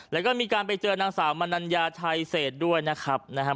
แล้วก็มีการไปเจอนางสาวมนัญญาชัยเศษด้วยนะครับนะครับ